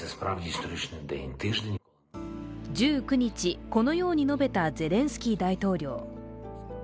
１９日、このように述べたゼレンスキー大統領。